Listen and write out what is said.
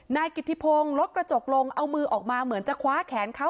นายกิติพงศ์ลดกระจกลงเอามือออกมาเหมือนจะคว้าแขนเขา